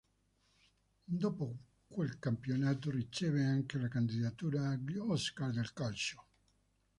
Dopo quel campionato riceve anche la candidatura agli Oscar del Calcio.